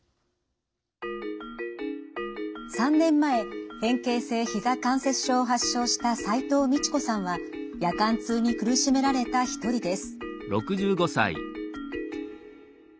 ３年前変形性ひざ関節症を発症した齋藤道子さんは夜間痛に苦しめられた一人です。